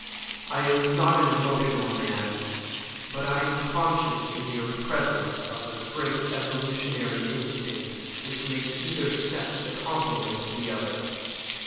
I am not an emotional man, but I am conscious in your presence of the great evolutionary instinct which makes either sex the complement of the other."